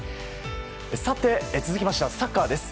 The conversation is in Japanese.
さて、続きましてはサッカーです。